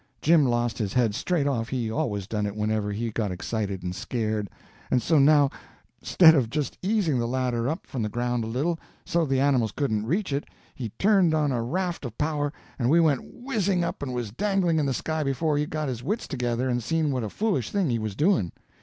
Jim lost his head straight off—he always done it whenever he got excited and scared; and so now, 'stead of just easing the ladder up from the ground a little, so the animals couldn't reach it, he turned on a raft of power, and we went whizzing up and was dangling in the sky before he got his wits together and seen what a foolish thing he was doing.